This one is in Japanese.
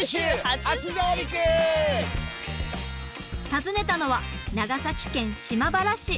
訪ねたのは長崎県島原市。